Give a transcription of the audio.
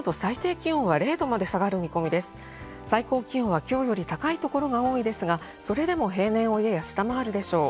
気温は今日より高いところが多いですが、それでも平年をやや下回るでしょう。